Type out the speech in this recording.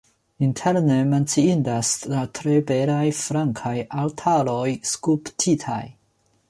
Interne menciindas la tre belaj flankaj altaroj skulptitaj.